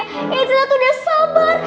inci zulia tuh udah sabar